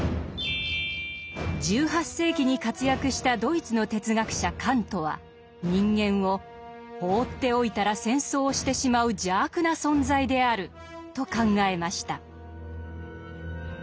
１８世紀に活躍したドイツの哲学者カントは人間を「放っておいたら戦争をしてしまう邪悪な存在である」と考えました。